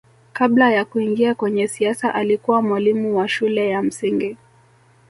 kabla ya kuingia kwenye siasa alikuwa mwalimu wa shule ya msingi